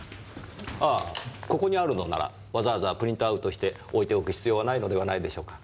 ああここにあるのならわざわざプリントアウトして置いておく必要はないのではないでしょうか。